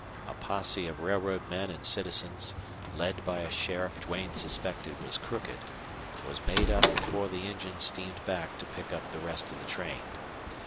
A posse of railroad men and citizens, led by a sheriff Duane suspected was crooked, was made up before the engine steamed back to pick up the rest of the train.